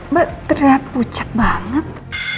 mbak terlihat pucat banget